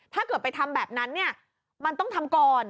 ถ้าเกิดไปทำแบบนั้นเนี่ยมันต้องทำก่อน